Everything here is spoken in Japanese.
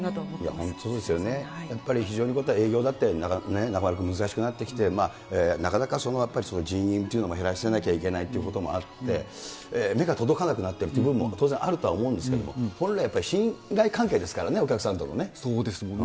本当ですよね、営業だって中丸君、難しくなってきて、なかなかやっぱり人員というのも減らさなきゃいけないということもあって、目が届かなくなってるという部分も当然あるとは思うんですけど、本来、やっぱり信頼関係ですからね、お客さんとのね。